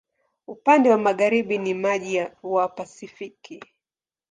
Upande wa magharibi ni maji wa Pasifiki.